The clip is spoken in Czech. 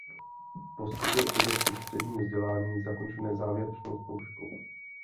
Poskytuje především střední vzdělání zakončené závěrečnou zkouškou.